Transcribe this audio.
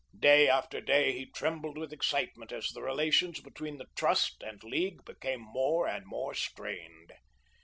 Day after day he trembled with excitement as the relations between the Trust and League became more and more strained.